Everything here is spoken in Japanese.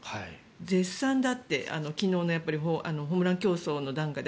絶賛だって昨日のホームラン競争の段階で。